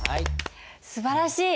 すばらしい！